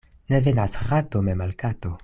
Ne venas rato mem al kato.